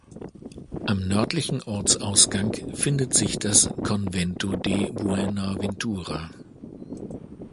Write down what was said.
Am nördlichen Ortsausgang findet sich das "Convento de Buenaventura".